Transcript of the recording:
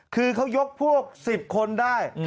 คือเขายกพวก๑๐คนได้